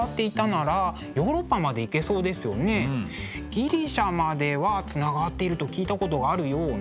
ギリシャまではつながっていると聞いたことがあるような。